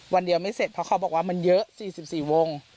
วันเดียวไม่เสร็จเพราะเขาบอกว่ามันเยอะ๔๔วง